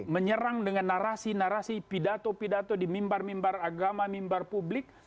menyerang dengan narasi narasi pidato pidato di mimbar mimbar agama mimbar publik